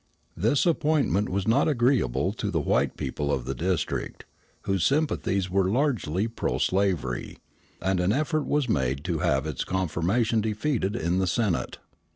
This appointment was not agreeable to the white people of the District, whose sympathies were largely pro slavery; and an effort was made to have its confirmation defeated in the Senate.